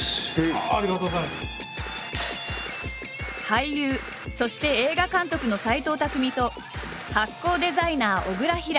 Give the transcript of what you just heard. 俳優そして映画監督の斎藤工と発酵デザイナー・小倉ヒラク。